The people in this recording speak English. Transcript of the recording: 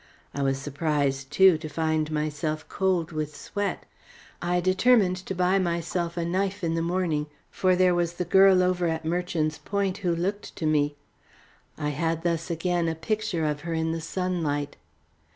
I was surprised, too, to find myself cold with sweat. I determined to buy myself a knife in the morning, for there was the girl over at Merchant's Point who looked to me. I had thus again a picture of her in the sunlight.